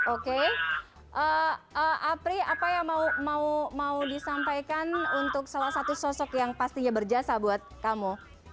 oke apri apa yang mau disampaikan untuk salah satu sosok yang pastinya berjasa buat kamu